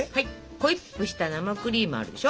ホイップした生クリームあるでしょ。